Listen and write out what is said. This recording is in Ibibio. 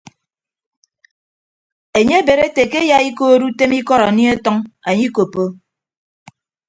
Enye ebed ete ke eyaikood utem ikọd anie atʌñ anye ikoppo.